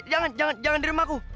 jangan jangan di rumahku